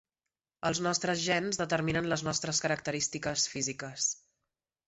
Els nostres gens determinen les nostres característiques físiques.